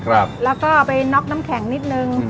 แล้วก็เอาไปน็อกน้ำแข็งนิดนึง